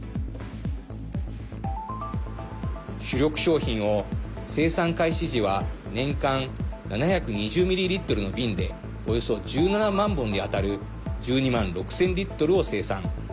主力商品を、生産開始時は年間７２０ミリリットルの瓶でおよそ１７万本に当たる１２万６０００リットルを生産。